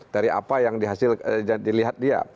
dari apa yang dihasil dilihat dia